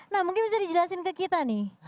nah mungkin bisa dijelasin ke kita nih